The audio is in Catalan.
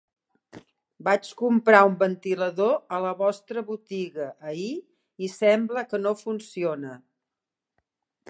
Vaig comprar un ventilador a la vostra botiga ahir i sembla que no funciona.